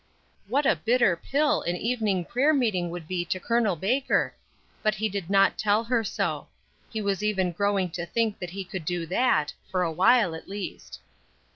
What a bitter pill an evening prayer meeting would be to Col. Baker! But he did not tell her so. He was even growing to think that he could do that, for a while at least.